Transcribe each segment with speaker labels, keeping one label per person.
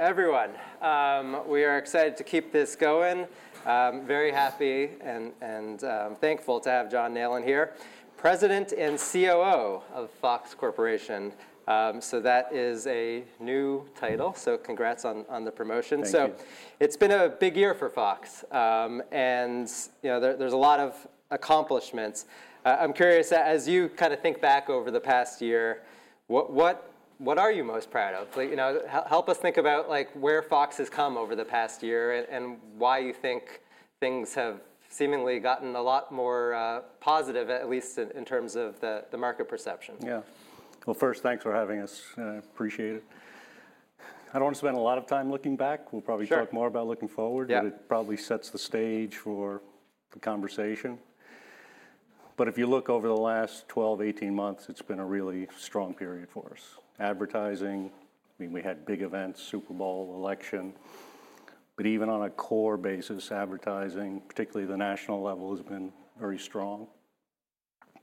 Speaker 1: Noon, everyone. We are excited to keep this going. Very happy and thankful to have John Nallen here, President and COO of Fox Corporation. That is a new title, so congrats on the promotion.
Speaker 2: Thank you.
Speaker 1: It's been a big year for Fox. And there's a lot of accomplishments. I'm curious, as you kind of think back over the past year, what are you most proud of? Help us think about where Fox has come over the past year and why you think things have seemingly gotten a lot more positive, at least in terms of the market perception.
Speaker 2: Yeah. First, thanks for having us. I appreciate it. I don't want to spend a lot of time looking back. We'll probably talk more about looking forward.
Speaker 1: Yeah.
Speaker 2: It probably sets the stage for the conversation. If you look over the last 12 to 18 months, it has been a really strong period for us. Advertising, I mean, we had big events, Super Bowl, election. Even on a core basis, advertising, particularly at the national level, has been very strong.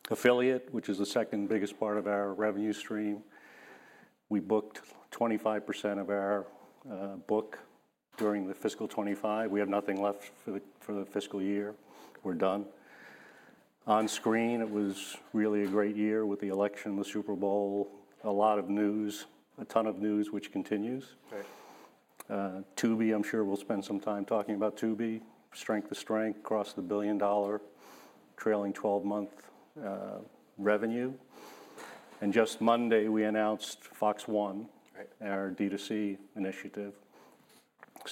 Speaker 2: Affiliate, which is the second biggest part of our revenue stream. We booked 25% of our book during the fiscal 2025. We have nothing left for the fiscal year. We are done. On screen, it was really a great year with the election, the Super Bowl, a lot of news, a ton of news, which continues.
Speaker 1: Great.
Speaker 2: Tubi, I'm sure we'll spend some time talking about Tubi. Strength to strength, crossed the $1 billion trailing 12-month revenue. Just Monday, we announced Fox One, our D2C initiative.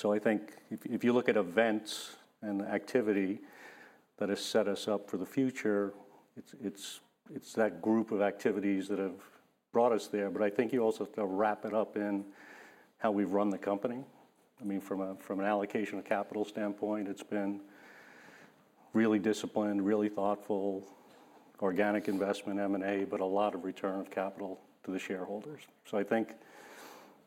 Speaker 2: I think if you look at events and activity that has set us up for the future, it's that group of activities that have brought us there. I think you also have to wrap it up in how we've run the company. I mean, from an allocation of capital standpoint, it's been really disciplined, really thoughtful, organic investment, M&A, but a lot of return of capital to the shareholders. I think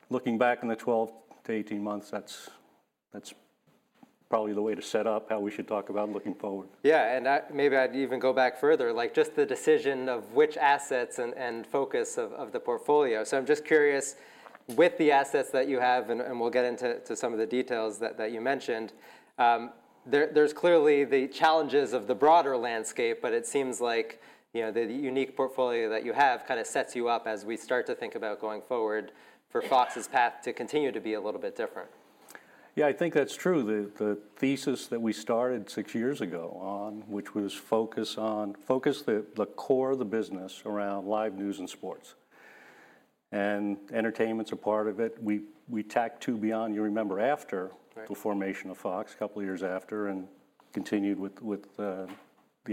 Speaker 2: looking back in the 12 to 18 months, that's probably the way to set up how we should talk about looking forward.
Speaker 1: Yeah. Maybe I'd even go back further, like just the decision of which assets and focus of the portfolio. I'm just curious, with the assets that you have, and we'll get into some of the details that you mentioned, there's clearly the challenges of the broader landscape, but it seems like the unique portfolio that you have kind of sets you up as we start to think about going forward for Fox's path to continue to be a little bit different.
Speaker 2: Yeah. I think that's true. The thesis that we started six years ago on, which was focus on the core of the business around live news and sports. And entertainment's a part of it. We tacked Tubi on, you remember, after the formation of Fox, a couple of years after, and continued with the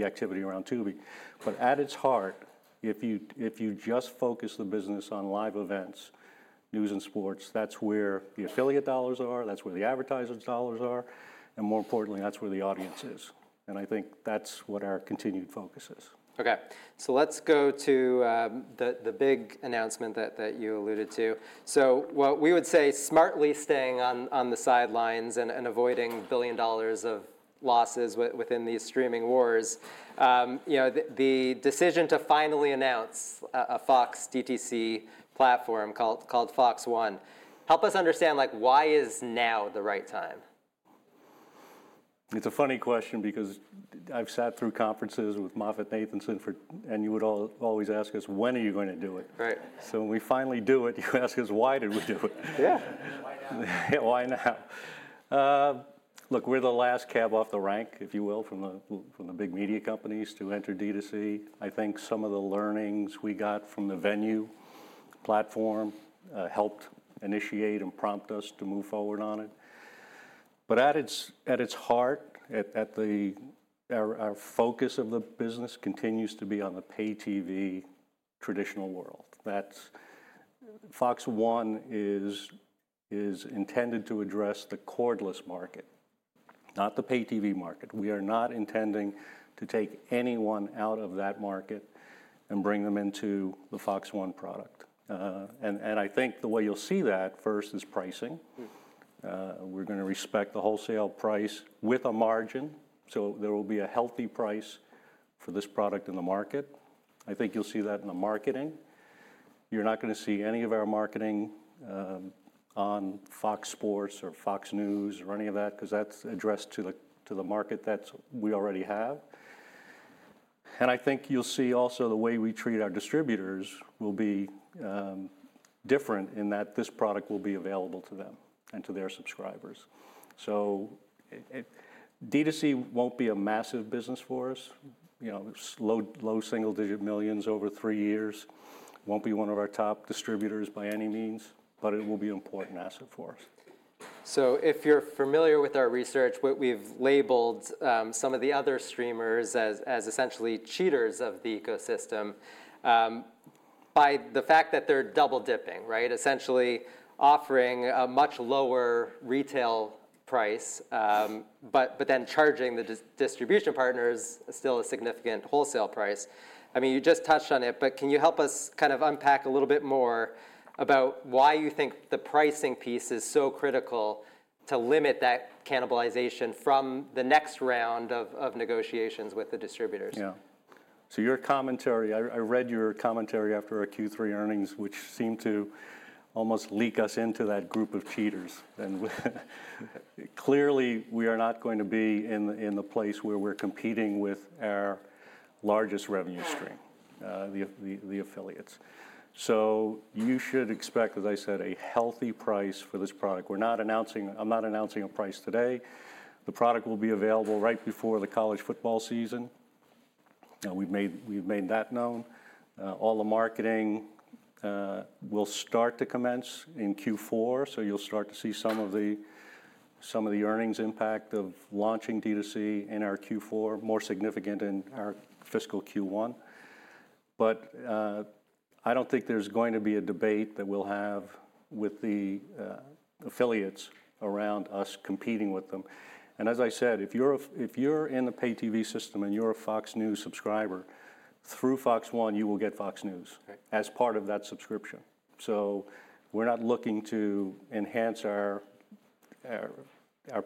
Speaker 2: activity around Tubi. But at its heart, if you just focus the business on live events, news and sports, that's where the affiliate dollars are, that's where the advertisers' dollars are, and more importantly, that's where the audience is. I think that's what our continued focus is.
Speaker 1: OK. Let's go to the big announcement that you alluded to. What we would say, smartly staying on the sidelines and avoiding billions of dollars of losses within these streaming wars, the decision to finally announce a Fox D2C platform called Fox One. help us understand why is now the right time?
Speaker 2: It's a funny question because I've sat through conferences with Moffett Nathanson, and you would always ask us, when are you going to do it?
Speaker 1: Right.
Speaker 2: When we finally do it, you ask us, why did we do it?
Speaker 1: Yeah.
Speaker 2: Why now? Look, we're the last cab off the rank, if you will, from the big media companies to enter D2C. I think some of the learnings we got from the venue platform helped initiate and prompt us to move forward on it. At its heart, our focus of the business continues to be on the pay TV traditional world. Fox One is intended to address the cordless market, not the pay TV market. We are not intending to take anyone out of that market and bring them into the Fox One product. I think the way you'll see that first is pricing. We're going to respect the wholesale price with a margin, so there will be a healthy price for this product in the market. I think you'll see that in the marketing. You're not going to see any of our marketing on Fox Sports or Fox News or any of that because that's addressed to the market that we already have. I think you'll see also the way we treat our distributors will be different in that this product will be available to them and to their subscribers. D2C won't be a massive business for us. Low single-digit millions over three years. Won't be one of our top distributors by any means, but it will be an important asset for us.
Speaker 1: If you're familiar with our research, we've labeled some of the other streamers as essentially cheaters of the ecosystem by the fact that they're double dipping, essentially offering a much lower retail price, but then charging the distribution partners still a significant wholesale price. I mean, you just touched on it, but can you help us kind of unpack a little bit more about why you think the pricing piece is so critical to limit that cannibalization from the next round of negotiations with the distributors?
Speaker 2: Yeah. Your commentary, I read your commentary after our Q3 earnings, which seemed to almost leak us into that group of cheaters. Clearly, we are not going to be in the place where we're competing with our largest revenue stream, the affiliates. You should expect, as I said, a healthy price for this product. I'm not announcing a price today. The product will be available right before the college football season. We've made that known. All the marketing will start to commence in Q4, so you'll start to see some of the earnings impact of launching D2C in our Q4, more significant in our fiscal Q1. I don't think there's going to be a debate that we'll have with the affiliates around us competing with them. As I said, if you're in the pay TV system and you're a Fox News subscriber, through Fox One, you will get Fox News as part of that subscription. We are not looking to enhance our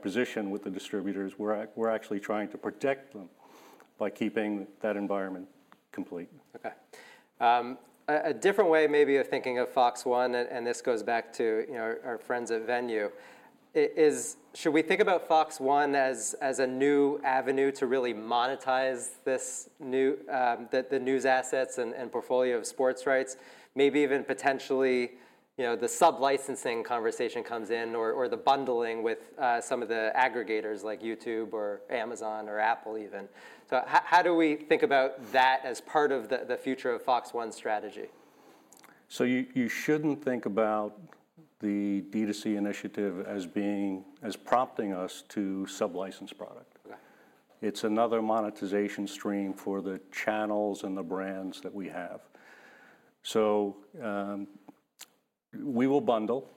Speaker 2: position with the distributors. We are actually trying to protect them by keeping that environment complete.
Speaker 1: OK. A different way maybe of thinking of Fox One, and this goes back to our friends at Venue, should we think about Fox One as a new avenue to really monetize the news assets and portfolio of sports rights, maybe even potentially the sub-licensing conversation comes in or the bundling with some of the aggregators like YouTube or Amazon or Apple even? How do we think about that as part of the future of Fox One's strategy?
Speaker 2: You shouldn't think about the D2C initiative as prompting us to sub-license product. It's another monetization stream for the channels and the brands that we have. We will bundle.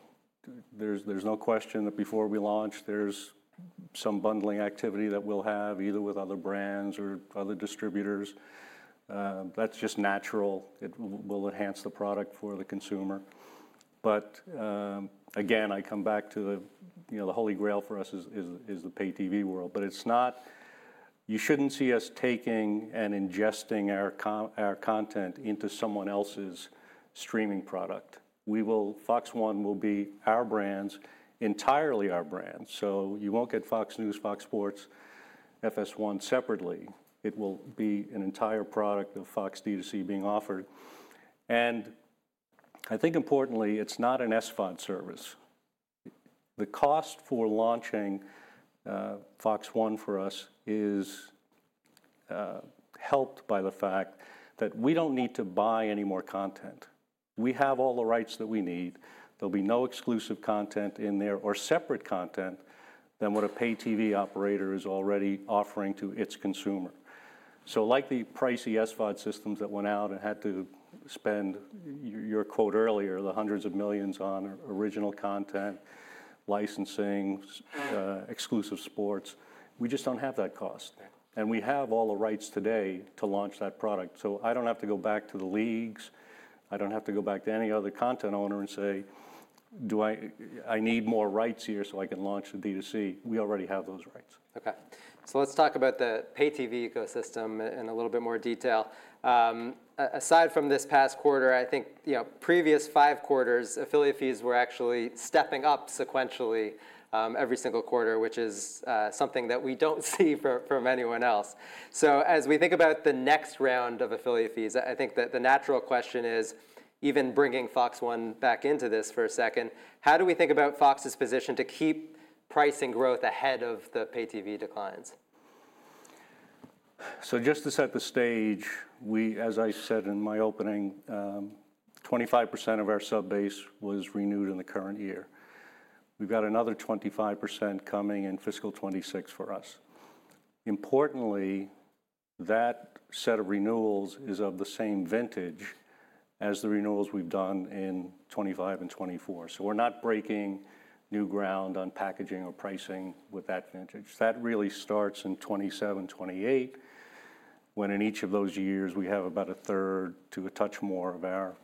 Speaker 2: There's no question that before we launch, there's some bundling activity that we'll have either with other brands or other distributors. That's just natural. It will enhance the product for the consumer. Again, I come back to the holy grail for us is the pay TV world. You shouldn't see us taking and ingesting our content into someone else's streaming product. Fox One will be our brands, entirely our brands. You won't get Fox News, Fox Sports, FS1 separately. It will be an entire product of Fox D2C being offered. I think importantly, it's not an SVOD service. The cost for launching Fox One for us is helped by the fact that we don't need to buy any more content. We have all the rights that we need. There'll be no exclusive content in there or separate content than what a pay TV operator is already offering to its consumer. Like the pricey SVOD systems that went out and had to spend, your quote earlier, the hundreds of millions on original content, licensing, exclusive sports, we just don't have that cost. We have all the rights today to launch that product. I don't have to go back to the leagues. I don't have to go back to any other content owner and say, I need more rights here so I can launch the D2C. We already have those rights.
Speaker 1: OK. Let's talk about the pay TV ecosystem in a little bit more detail. Aside from this past quarter, I think previous five quarters, affiliate fees were actually stepping up sequentially every single quarter, which is something that we don't see from anyone else. As we think about the next round of affiliate fees, I think that the natural question is, even bringing Fox One back into this for a second, how do we think about Fox's position to keep pricing growth ahead of the pay TV declines?
Speaker 2: Just to set the stage, as I said in my opening, 25% of our subbase was renewed in the current year. We've got another 25% coming in fiscal 2026 for us. Importantly, that set of renewals is of the same vintage as the renewals we've done in 2025 and 2024. We're not breaking new ground on packaging or pricing with that vintage. That really starts in 2027, 2028, when in each of those years, we have about a third to a touch more of our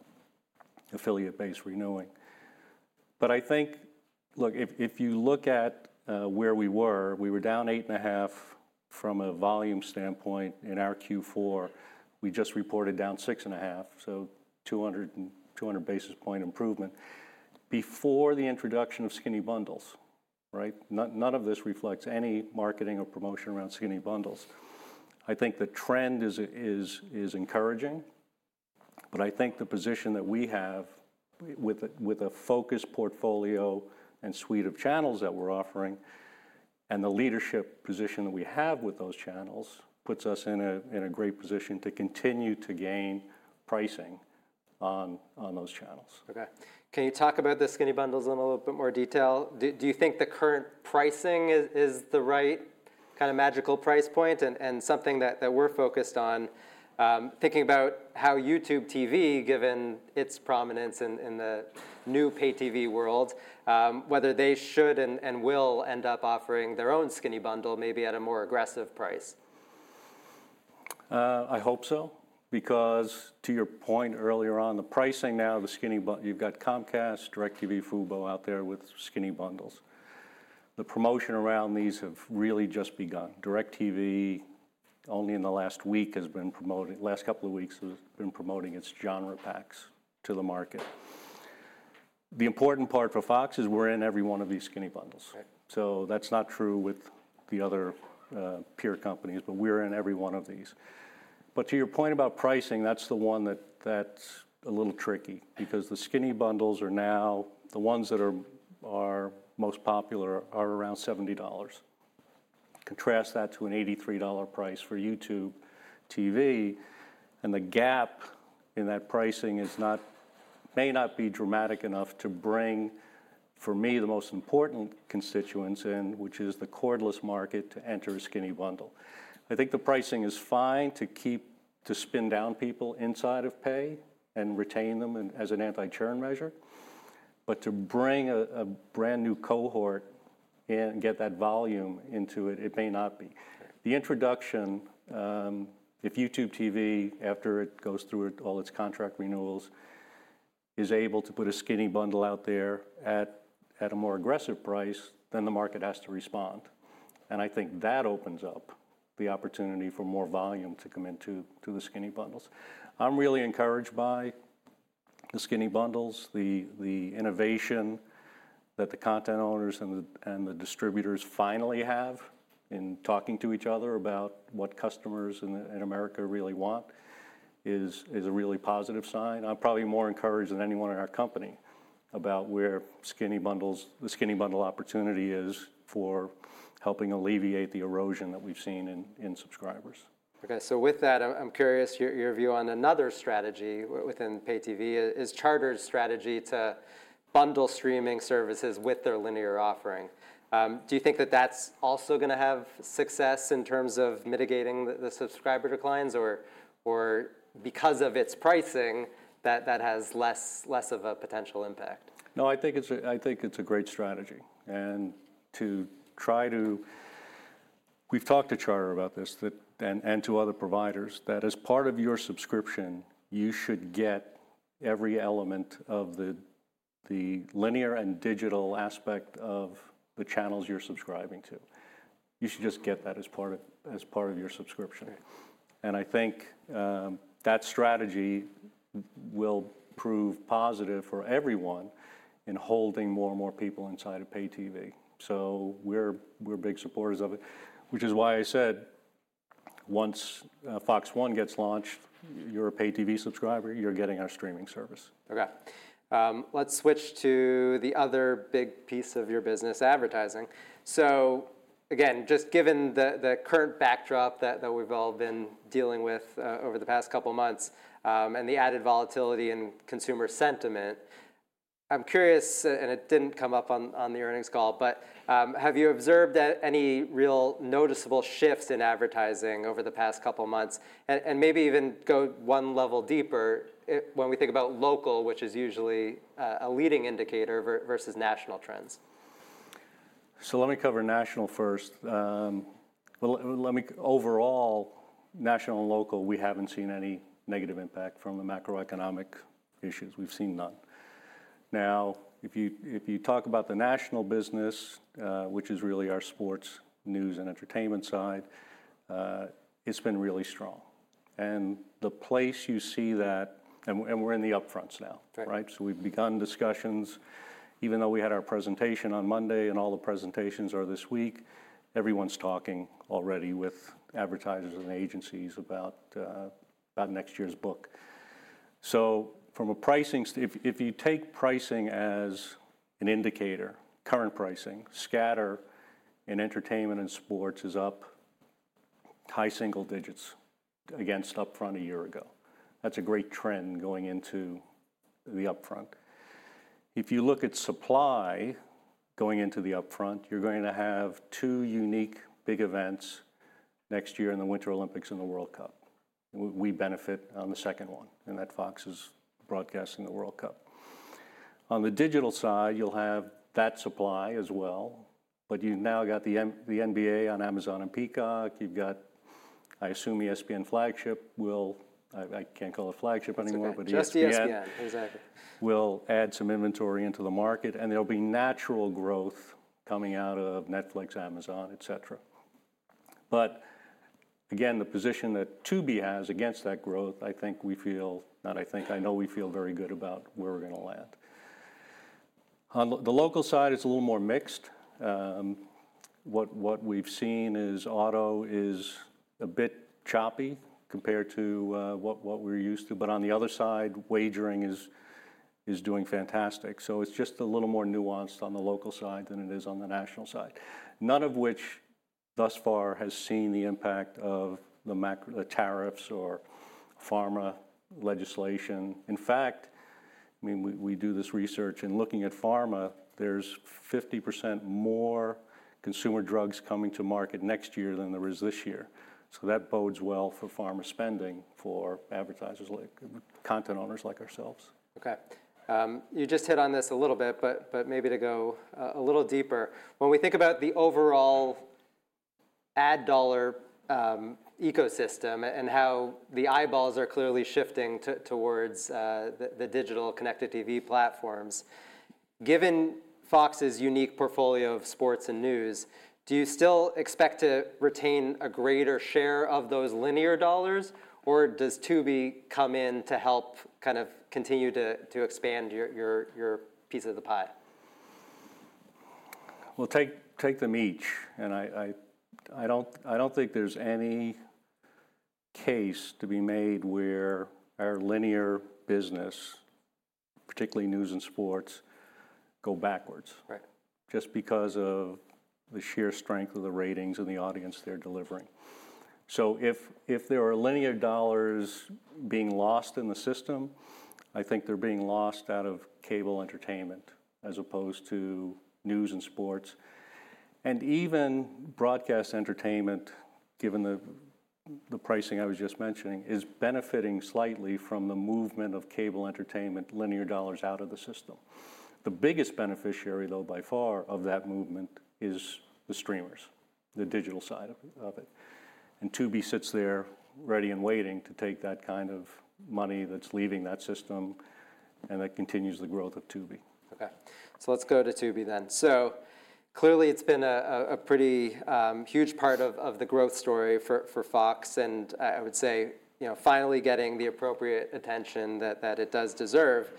Speaker 2: affiliate base renewing. I think, look, if you look at where we were, we were down 8 and 1/2 from a volume standpoint. In our Q4, we just reported down 6 and 1/2, so 200 basis point improvement before the introduction of skinny bundles. None of this reflects any marketing or promotion around skinny bundles. I think the trend is encouraging. I think the position that we have with a focused portfolio and suite of channels that we're offering and the leadership position that we have with those channels puts us in a great position to continue to gain pricing on those channels.
Speaker 1: OK. Can you talk about the skinny bundles in a little bit more detail? Do you think the current pricing is the right kind of magical price point and something that we're focused on, thinking about how YouTube TV, given its prominence in the new pay TV world, whether they should and will end up offering their own skinny bundle maybe at a more aggressive price?
Speaker 2: I hope so. Because to your point earlier on, the pricing now, you've got Comcast, DirecTV, Fubo out there with skinny bundles. The promotion around these have really just begun. DirecTV, only in the last week, has been promoting the last couple of weeks, has been promoting its genre packs to the market. The important part for Fox is we're in every one of these skinny bundles. So that's not true with the other peer companies, but we're in every one of these. But to your point about pricing, that's the one that's a little tricky. Because the skinny bundles are now the ones that are most popular are around $70. Contrast that to an $83 price for YouTube TV. And the gap in that pricing may not be dramatic enough to bring, for me, the most important constituents in, which is the cordless market to enter a skinny bundle. I think the pricing is fine to spin down people inside of pay and retain them as an anti-churn measure. To bring a brand new cohort and get that volume into it, it may not be. The introduction, if YouTube TV, after it goes through all its contract renewals, is able to put a skinny bundle out there at a more aggressive price, the market has to respond. I think that opens up the opportunity for more volume to come into the skinny bundles. I'm really encouraged by the skinny bundles. The innovation that the content owners and the distributors finally have in talking to each other about what customers in America really want is a really positive sign. I'm probably more encouraged than anyone in our company about where the skinny bundle opportunity is for helping alleviate the erosion that we've seen in subscribers.
Speaker 1: OK. With that, I'm curious your view on another strategy within pay TV. Is Charter's strategy to bundle streaming services with their linear offering? Do you think that that's also going to have success in terms of mitigating the subscriber declines, or because of its pricing, that has less of a potential impact?
Speaker 2: No, I think it's a great strategy. To try to—we've talked to Charter about this and to other providers—that as part of your subscription, you should get every element of the linear and digital aspect of the channels you're subscribing to. You should just get that as part of your subscription. I think that strategy will prove positive for everyone in holding more and more people inside of pay TV. We are big supporters of it, which is why I said once Fox One gets launched, you're a pay TV subscriber. You're getting our streaming service.
Speaker 1: OK. Let's switch to the other big piece of your business, advertising. Again, just given the current backdrop that we've all been dealing with over the past couple of months and the added volatility in consumer sentiment, I'm curious, and it didn't come up on the earnings call, but have you observed any real noticeable shifts in advertising over the past couple of months? Maybe even go one level deeper when we think about local, which is usually a leading indicator versus national trends.
Speaker 2: Let me cover national first. Overall, national and local, we haven't seen any negative impact from the macroeconomic issues. We've seen none. Now, if you talk about the national business, which is really our sports, news, and entertainment side, it's been really strong. The place you see that—and we're in the upfronts now. We've begun discussions. Even though we had our presentation on Monday and all the presentations are this week, everyone's talking already with advertisers and agencies about next year's book. From a pricing—if you take pricing as an indicator, current pricing, scatter in entertainment and sports is up high single digits against upfront a year ago. That's a great trend going into the upfront. If you look at supply going into the upfront, you're going to have two unique big events next year, in the Winter Olympics and the World Cup. We benefit on the second one, in that Fox is broadcasting the World Cup. On the digital side, you'll have that supply as well. You've now got the NBA on Amazon and Peacock. You've got, I assume, ESPN flagship. I can't call it flagship anymore, but ESPN.
Speaker 1: Just ESPN. Exactly.
Speaker 2: Will add some inventory into the market. There'll be natural growth coming out of Netflix, Amazon, et cetera. Again, the position that Tubi has against that growth, I think we feel—not I think, I know we feel very good about where we're going to land. On the local side, it's a little more mixed. What we've seen is auto is a bit choppy compared to what we're used to. On the other side, wagering is doing fantastic. It's just a little more nuanced on the local side than it is on the national side. None of which thus far has seen the impact of the tariffs or pharma legislation. In fact, we do this research. Looking at pharma, there's 50% more consumer drugs coming to market next year than there is this year. That bodes well for pharma spending for advertisers like content owners like ourselves.
Speaker 1: OK. You just hit on this a little bit, but maybe to go a little deeper. When we think about the overall ad dollar ecosystem and how the eyeballs are clearly shifting towards the digital connected TV platforms, given Fox's unique portfolio of sports and news, do you still expect to retain a greater share of those linear dollars? Or does Tubi come in to help kind of continue to expand your piece of the pie?
Speaker 2: Take them each. I don't think there's any case to be made where our linear business, particularly news and sports, go backwards just because of the sheer strength of the ratings and the audience they're delivering. If there are linear dollars being lost in the system, I think they're being lost out of cable entertainment as opposed to news and sports. Even broadcast entertainment, given the pricing I was just mentioning, is benefiting slightly from the movement of cable entertainment linear dollars out of the system. The biggest beneficiary, though, by far of that movement is the streamers, the digital side of it. Tubi sits there ready and waiting to take that kind of money that's leaving that system and that continues the growth of Tubi.
Speaker 1: OK. Let's go to Tubi then. Clearly, it's been a pretty huge part of the growth story for Fox. I would say finally getting the appropriate attention that it does deserve.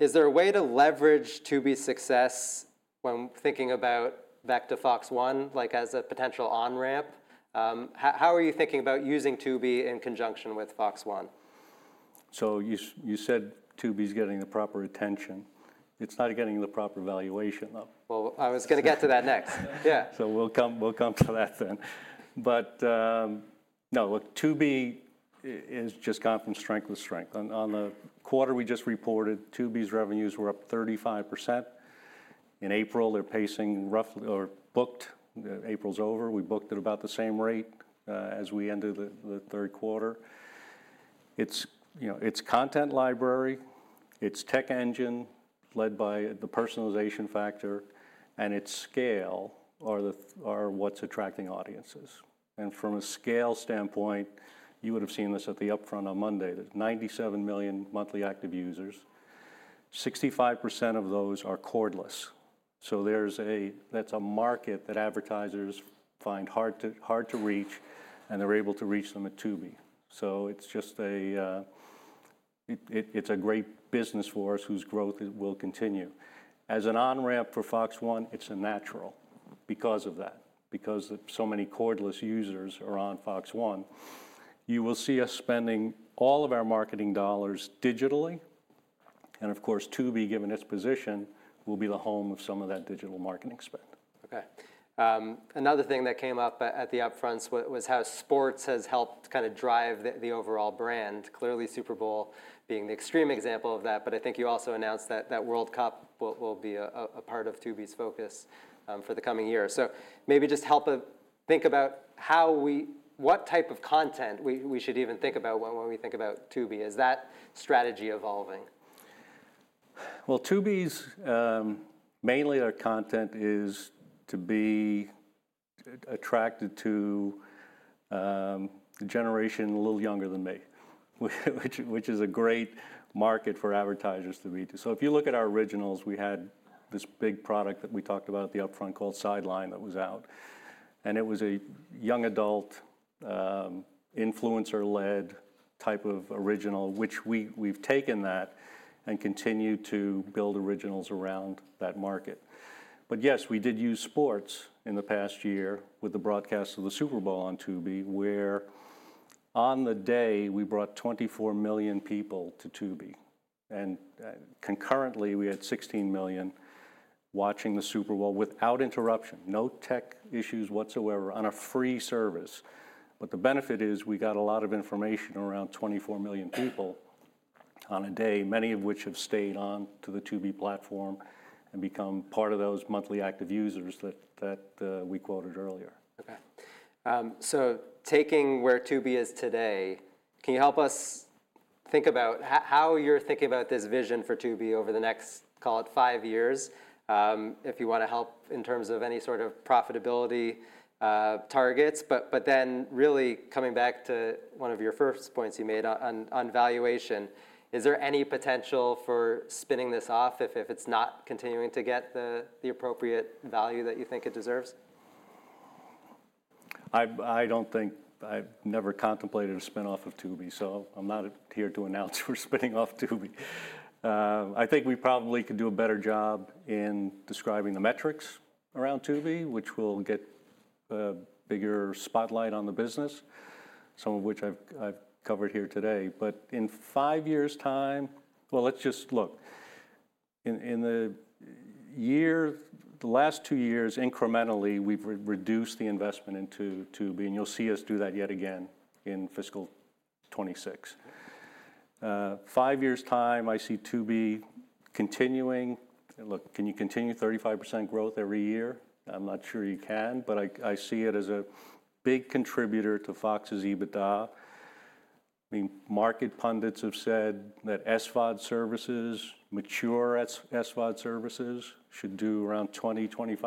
Speaker 1: Is there a way to leverage Tubi's success when thinking about back to Fox One as a potential on-ramp? How are you thinking about using Tubi in conjunction with Fox One?
Speaker 2: You said Tubi's getting the proper attention. It's not getting the proper valuation, though.
Speaker 1: I was going to get to that next. Yeah.
Speaker 2: We will come to that then. No, look, Tubi has just gone from strength to strength. On the quarter we just reported, Tubi's revenues were up 35%. In April, they are pacing roughly or booked. April is over. We booked at about the same rate as we entered the third quarter. Its content library, its tech engine led by the personalization factor, and its scale are what is attracting audiences. From a scale standpoint, you would have seen this at the upfront on Monday, 97 million monthly active users. 65% of those are cordless. That is a market that advertisers find hard to reach, and they are able to reach them at Tubi. It is a great business for us whose growth will continue. As an on-ramp for Fox One, it is a natural because of that, because so many cordless users are on Fox One. You will see us spending all of our marketing dollars digitally. Of course, Tubi, given its position, will be the home of some of that digital marketing spend.
Speaker 1: OK. Another thing that came up at the upfronts was how sports has helped kind of drive the overall brand, clearly Super Bowl being the extreme example of that. I think you also announced that World Cup will be a part of Tubi's focus for the coming year. Maybe just help think about what type of content we should even think about when we think about Tubi. Is that strategy evolving?
Speaker 2: Tubi's mainly our content is to be attracted to the generation a little younger than me, which is a great market for advertisers to be to. If you look at our originals, we had this big product that we talked about at the upfront called Sideline that was out. It was a young adult influencer-led type of original, which we've taken that and continued to build originals around that market. Yes, we did use sports in the past year with the broadcast of the Super Bowl on Tubi, where on the day we brought 24 million people to Tubi. Concurrently, we had 16 million watching the Super Bowl without interruption, no tech issues whatsoever, on a free service. The benefit is we got a lot of information around 24 million people on a day, many of which have stayed on to the Tubi platform and become part of those monthly active users that we quoted earlier.
Speaker 1: OK. Taking where Tubi is today, can you help us think about how you're thinking about this vision for Tubi over the next, call it, five years? If you want to help in terms of any sort of profitability targets. Then really coming back to one of your first points you made on valuation, is there any potential for spinning this off if it's not continuing to get the appropriate value that you think it deserves?
Speaker 2: I don't think I've never contemplated a spin-off of Tubi, so I'm not here to announce we're spinning off Tubi. I think we probably could do a better job in describing the metrics around Tubi, which will get a bigger spotlight on the business, some of which I've covered here today. In five years' time, let's just look. In the last two years, incrementally, we've reduced the investment into Tubi. You'll see us do that yet again in fiscal 2026. In five years' time, I see Tubi continuing. Look, can you continue 35% growth every year? I'm not sure you can, but I see it as a big contributor to Fox's EBITDA. Market pundits have said that SVOD services, mature SVOD services, should do around 20%-25%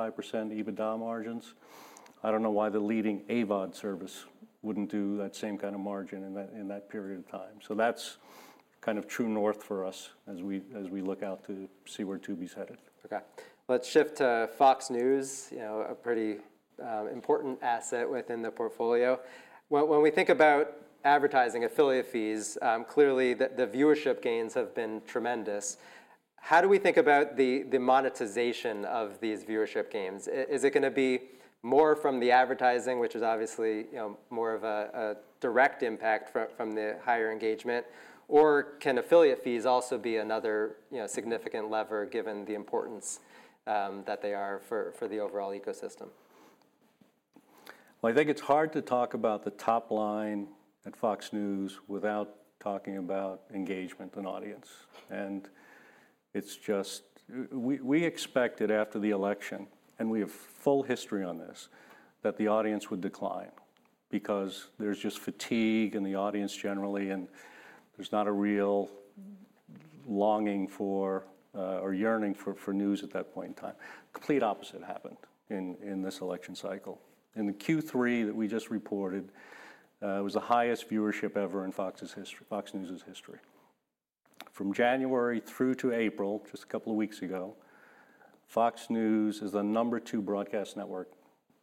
Speaker 2: EBITDA margins. I don't know why the leading AVOD service wouldn't do that same kind of margin in that period of time. So that's kind of true north for us as we look out to see where Tubi's headed.
Speaker 1: OK. Let's shift to Fox News, a pretty important asset within the portfolio. When we think about advertising, affiliate fees, clearly the viewership gains have been tremendous. How do we think about the monetization of these viewership gains? Is it going to be more from the advertising, which is obviously more of a direct impact from the higher engagement? Or can affiliate fees also be another significant lever, given the importance that they are for the overall ecosystem?
Speaker 2: I think it's hard to talk about the top line at Fox News without talking about engagement and audience. We expected after the election, and we have full history on this, that the audience would decline because there's just fatigue in the audience generally. There's not a real longing for or yearning for news at that point in time. Complete opposite happened in this election cycle. In the Q3 that we just reported, it was the highest viewership ever in Fox News' history. From January through to April, just a couple of weeks ago, Fox News is the number two broadcast network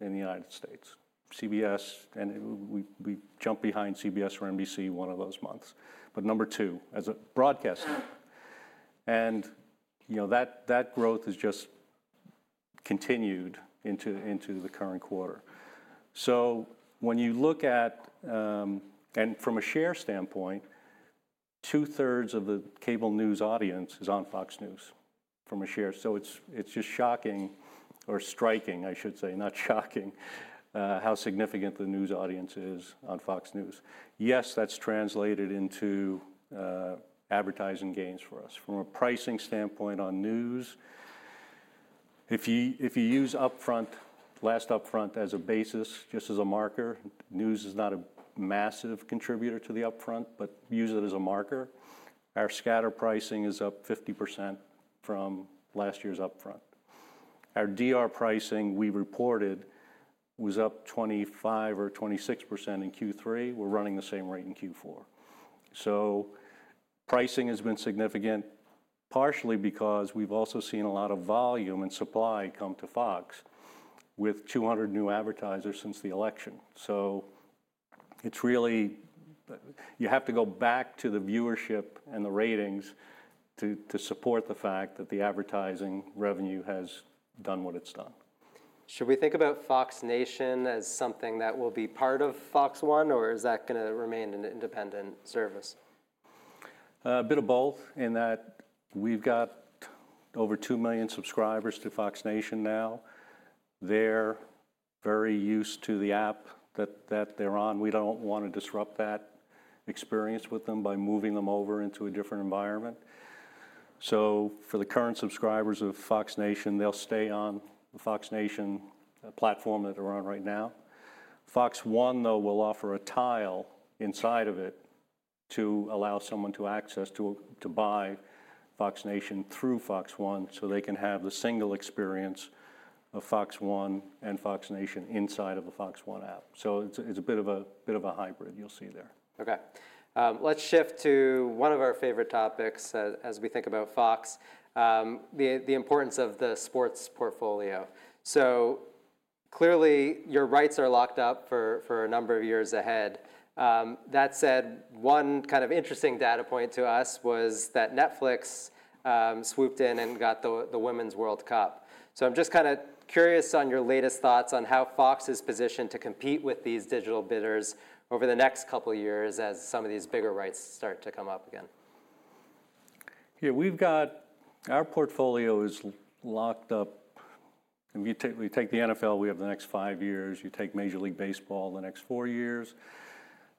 Speaker 2: in the United States. CBS, and we jumped behind CBS or NBC one of those months, but number two as a broadcast network. That growth has just continued into the current quarter. When you look at, and from a share standpoint, two-thirds of the cable news audience is on Fox News from a share. It is just striking, I should say, not shocking, how significant the news audience is on Fox News. Yes, that has translated into advertising gains for us. From a pricing standpoint on news, if you use upfront, last upfront as a basis, just as a marker, news is not a massive contributor to the upfront, but use it as a marker. Our scatter pricing is up 50% from last year's upfront. Our DR pricing, we reported, was up 25% or 26% in Q3. We are running the same rate in Q4. Pricing has been significant, partially because we have also seen a lot of volume and supply come to Fox with 200 new advertisers since the election. It's really, you have to go back to the viewership and the ratings to support the fact that the advertising revenue has done what it's done.
Speaker 1: Should we think about Fox Nation as something that will be part of Fox One, or is that going to remain an independent service?
Speaker 2: A bit of both, in that we've got over 2 million subscribers to Fox Nation now. They're very used to the app that they're on. We don't want to disrupt that experience with them by moving them over into a different environment. For the current subscribers of Fox Nation, they'll stay on the Fox Nation platform that they're on right now. Fox One, though, will offer a tile inside of it to allow someone to access, to buy Fox Nation through Fox One, so they can have the single experience of Fox One and Fox Nation inside of the Fox One app. It's a bit of a hybrid you'll see there.
Speaker 1: OK. Let's shift to one of our favorite topics as we think about Fox, the importance of the sports portfolio. Clearly, your rights are locked up for a number of years ahead. That said, one kind of interesting data point to us was that Netflix swooped in and got the Women's World Cup. I'm just kind of curious on your latest thoughts on how Fox is positioned to compete with these digital bidders over the next couple of years as some of these bigger rights start to come up again.
Speaker 2: Yeah, we've got our portfolio is locked up. If you take the NFL, we have the next five years. You take Major League Baseball, the next four years.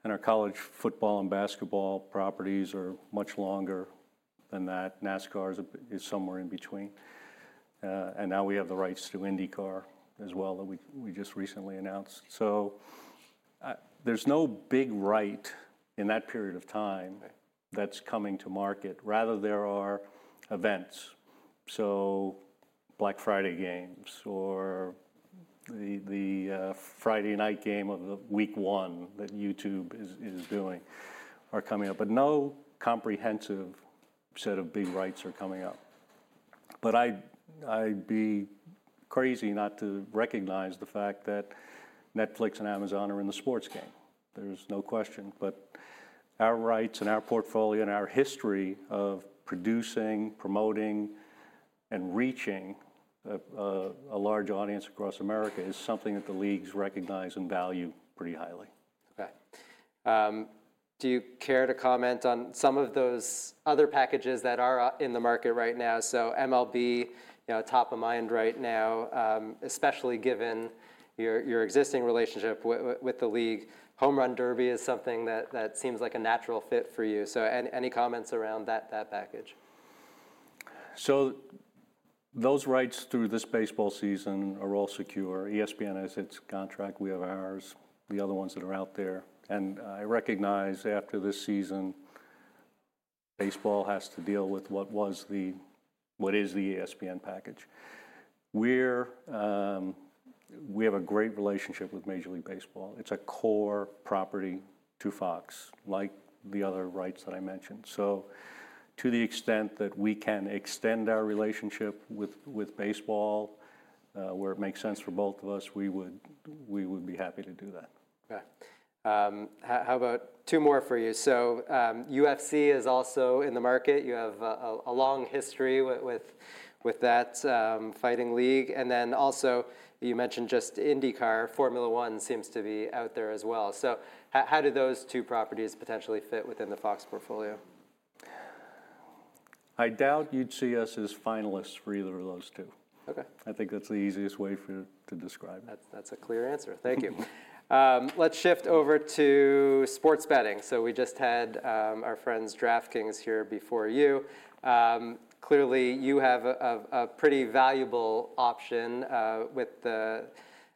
Speaker 2: And our college football and basketball properties are much longer than that. NASCAR is somewhere in between. And now we have the rights to IndyCar as well that we just recently announced. There is no big right in that period of time that's coming to market. Rather, there are events. Black Friday games or the Friday night game of the week one that YouTube is doing are coming up. No comprehensive set of big rights are coming up. I'd be crazy not to recognize the fact that Netflix and Amazon are in the sports game. There's no question. Our rights and our portfolio and our history of producing, promoting, and reaching a large audience across America is something that the leagues recognize and value pretty highly.
Speaker 1: OK. Do you care to comment on some of those other packages that are in the market right now? MLB, top of mind right now, especially given your existing relationship with the league. Home Run Derby is something that seems like a natural fit for you. Any comments around that package?
Speaker 2: Those rights through this baseball season are all secure. ESPN has its contract. We have ours, the other ones that are out there. I recognize after this season, baseball has to deal with what is the ESPN package. We have a great relationship with Major League Baseball. It is a core property to Fox, like the other rights that I mentioned. To the extent that we can extend our relationship with baseball, where it makes sense for both of us, we would be happy to do that.
Speaker 1: OK. How about two more for you? UFC is also in the market. You have a long history with that fighting league. You mentioned just IndyCar. Formula One seems to be out there as well. How do those two properties potentially fit within the Fox portfolio?
Speaker 2: I doubt you'd see us as finalists for either of those two. I think that's the easiest way for you to describe it.
Speaker 1: That's a clear answer. Thank you. Let's shift over to sports betting. We just had our friends DraftKings here before you. Clearly, you have a pretty valuable option with the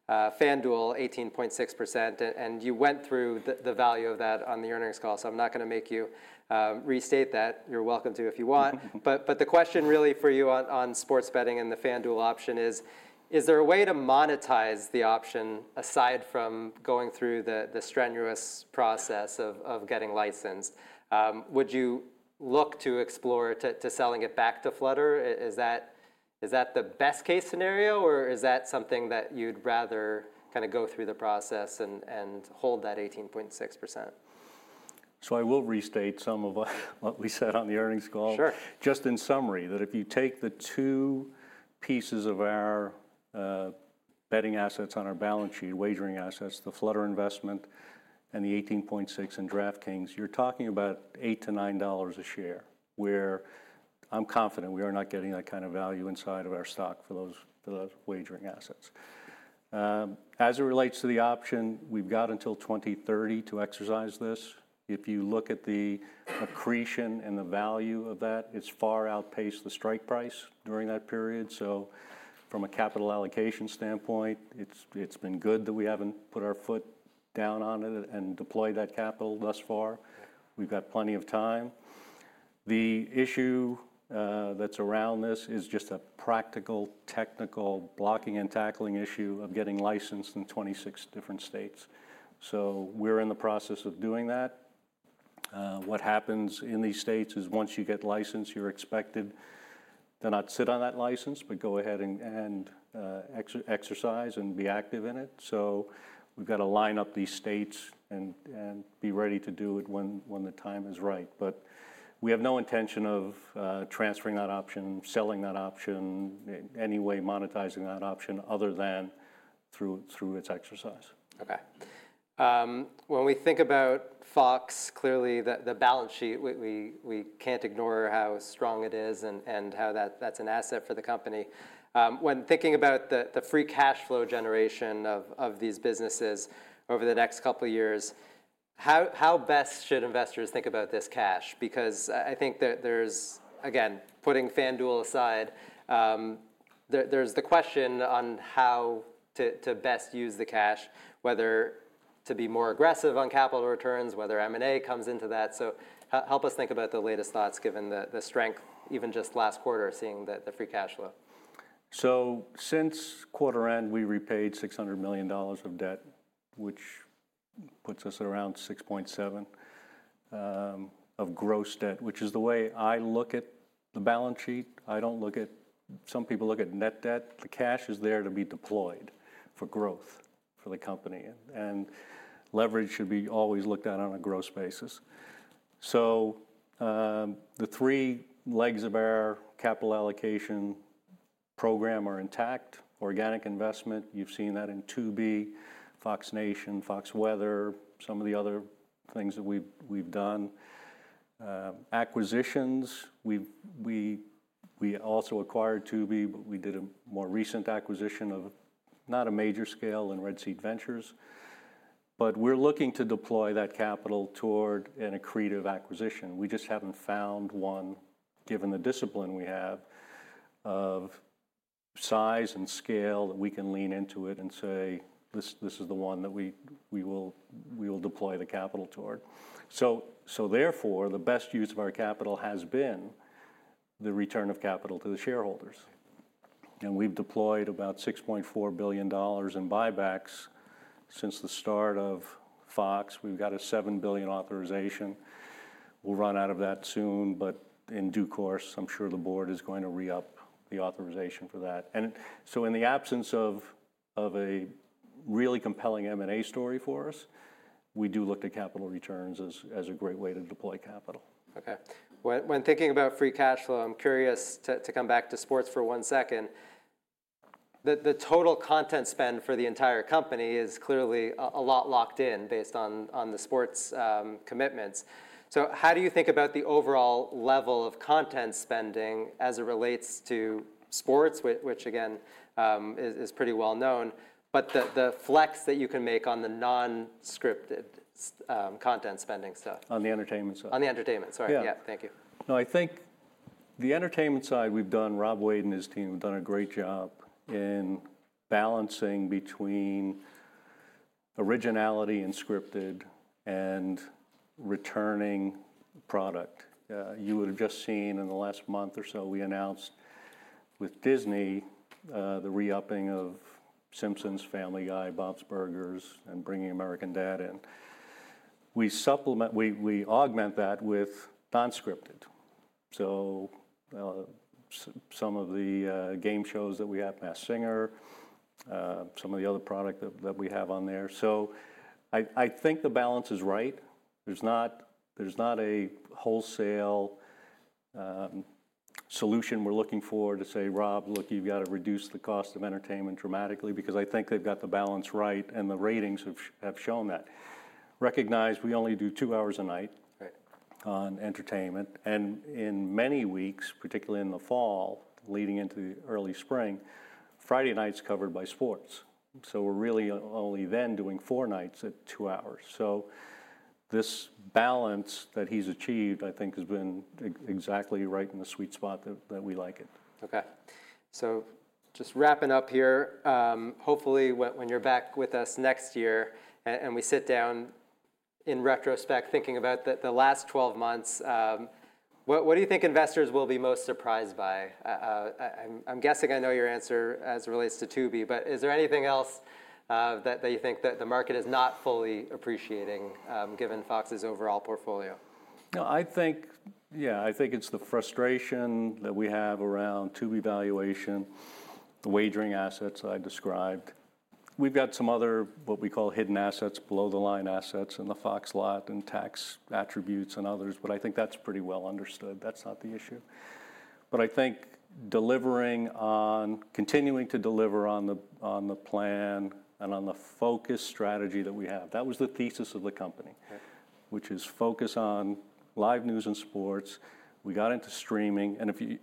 Speaker 1: FanDuel, 18.6%. You went through the value of that on the earnings call. I'm not going to make you restate that. You're welcome to if you want. The question really for you on sports betting and the FanDuel option is, is there a way to monetize the option aside from going through the strenuous process of getting licensed? Would you look to explore selling it back to Flutter? Is that the best-case scenario, or is that something that you'd rather kind of go through the process and hold that 18.6%?
Speaker 2: I will restate some of what we said on the earnings call.
Speaker 1: Sure.
Speaker 2: Just in summary, that if you take the two pieces of our betting assets on our balance sheet, wagering assets, the Flutter investment and the 18.6% in DraftKings, you're talking about $8-$9 a share, where I'm confident we are not getting that kind of value inside of our stock for those wagering assets. As it relates to the option, we've got until 2030 to exercise this. If you look at the accretion and the value of that, it's far outpaced the strike price during that period. From a capital allocation standpoint, it's been good that we haven't put our foot down on it and deployed that capital thus far. We've got plenty of time. The issue that's around this is just a practical, technical, blocking and tackling issue of getting licensed in 26 different states. We're in the process of doing that. What happens in these states is once you get licensed, you're expected to not sit on that license, but go ahead and exercise and be active in it. We've got to line up these states and be ready to do it when the time is right. We have no intention of transferring that option, selling that option, in any way monetizing that option, other than through its exercise.
Speaker 1: OK. When we think about Fox, clearly, the balance sheet, we can't ignore how strong it is and how that's an asset for the company. When thinking about the free cash flow generation of these businesses over the next couple of years, how best should investors think about this cash? Because I think there's, again, putting FanDuel aside, there's the question on how to best use the cash, whether to be more aggressive on capital returns, whether M&A comes into that. Help us think about the latest thoughts, given the strength, even just last quarter, seeing the free cash flow.
Speaker 2: Since quarter end, we repaid $600 million of debt, which puts us at around 6.7% of gross debt, which is the way I look at the balance sheet. I don't look at, some people look at net debt. The cash is there to be deployed for growth for the company. Leverage should be always looked at on a gross basis. The three legs of our capital allocation program are intact: organic investment, you've seen that in Tubi, Fox Nation, Fox Weather, some of the other things that we've done. Acquisitions, we also acquired Tubi, but we did a more recent acquisition of not a major scale in Red Six Ventures. We're looking to deploy that capital toward an accretive acquisition. We just haven't found one, given the discipline we have of size and scale, that we can lean into it and say, this is the one that we will deploy the capital toward. Therefore, the best use of our capital has been the return of capital to the shareholders. We've deployed about $6.4 billion in buybacks since the start of Fox. We've got a $7 billion authorization. We'll run out of that soon. In due course, I'm sure the board is going to re-up the authorization for that. In the absence of a really compelling M&A story for us, we do look to capital returns as a great way to deploy capital.
Speaker 1: OK. When thinking about free cash flow, I'm curious to come back to sports for one second. The total content spend for the entire company is clearly a lot locked in based on the sports commitments. How do you think about the overall level of content spending as it relates to sports, which, again, is pretty well known, but the flex that you can make on the non-scripted content spending stuff?
Speaker 2: On the entertainment side.
Speaker 1: On the entertainment. Sorry. Yeah. Thank you.
Speaker 2: No, I think the entertainment side, Rob Wade and his team have done a great job in balancing between originality and scripted and returning product. You would have just seen in the last month or so, we announced with Disney the re-upping of The Simpsons, Family Guy, Bob's Burgers, and bringing American Dad in. We augment that with non-scripted. Some of the game shows that we have, Masked Singer, some of the other product that we have on there. I think the balance is right. There's not a wholesale solution we're looking for to say, Rob, look, you've got to reduce the cost of entertainment dramatically, because I think they've got the balance right, and the ratings have shown that. Recognize we only do two hours a night on entertainment. In many weeks, particularly in the fall leading into the early spring, Friday night's covered by sports. We're really only then doing four nights at two hours. This balance that he's achieved, I think, has been exactly right in the sweet spot that we like it.
Speaker 1: OK. So just wrapping up here. Hopefully, when you're back with us next year and we sit down in retrospect thinking about the last 12 months, what do you think investors will be most surprised by? I'm guessing I know your answer as it relates to Tubi, but is there anything else that you think that the market is not fully appreciating, given Fox's overall portfolio?
Speaker 2: No, I think, yeah, I think it's the frustration that we have around Tubi valuation, the wagering assets I described. We've got some other what we call hidden assets, below-the-line assets in the Fox lot and tax attributes and others. I think that's pretty well understood. That's not the issue. I think delivering on, continuing to deliver on the plan and on the focus strategy that we have. That was the thesis of the company, which is focus on live news and sports. We got into streaming.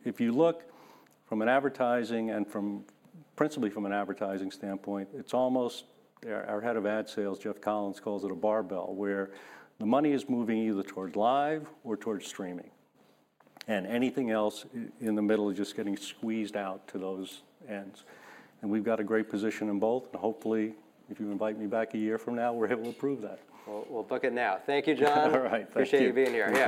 Speaker 2: If you look from an advertising and from principally from an advertising standpoint, it's almost our Head of Ad Sales, Jeff Collins, calls it a barbell, where the money is moving either towards live or towards streaming. Anything else in the middle is just getting squeezed out to those ends. We've got a great position in both. Hopefully, if you invite me back a year from now, we're able to prove that.
Speaker 1: We'll book it now. Thank you, John.
Speaker 2: All right. Thank you.
Speaker 1: Appreciate you being here.